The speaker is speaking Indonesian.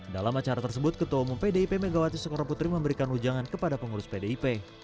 dalam acara tersebut ketua umum pdip megawati soekarno putri memberikan ujangan kepada pengurus pdip